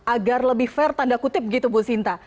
agar lebih fair tanda kutip gitu bu sinta